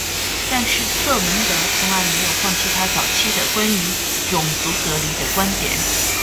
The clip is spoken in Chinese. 但是瑟蒙德从来没有放弃他早期的关于种族隔离的观点。